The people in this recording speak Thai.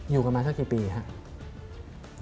อยู่กันมาเท่าไหร่ปีฮะ